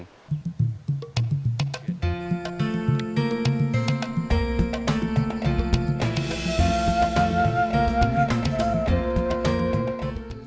menanggong di dalam ruang kota